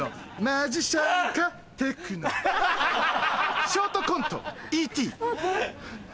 マジシャンかテクノショートコント「Ｅ．Ｔ．」。